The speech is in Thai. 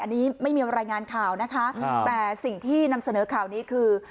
อันนี้ไม่มีรายงานข่าวนะคะแต่สิ่งที่นำเสนอข่าวนี้คือ